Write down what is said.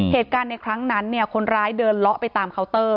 เหตุการณ์ในครั้งนั้นคนร้ายเดินเลาะไปตามเคาน์เตอร์